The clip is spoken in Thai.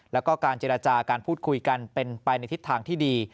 แล้วก็การเจรจาการพูดคุยกันเป็นไปในทิศทางที่ดี